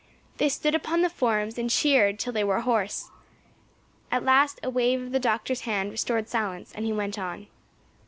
They stood upon the forms and cheered until they were hoarse. At last a wave of the doctor's hand restored silence, and he went on.